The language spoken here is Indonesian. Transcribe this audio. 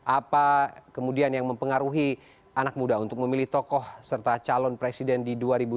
apa kemudian yang mempengaruhi anak muda untuk memilih tokoh serta calon presiden di dua ribu dua puluh